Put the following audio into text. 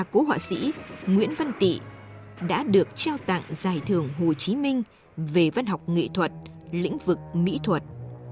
cố họa sĩ nguyễn văn tị đã được trao tặng giải thưởng hồ chí minh về văn học nghệ thuật lĩnh vực mỹ thuật